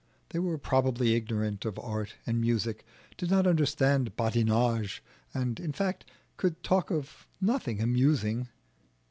They were probably ignorant of art and music, did not understand badinage, and, in fact, could talk of nothing amusing.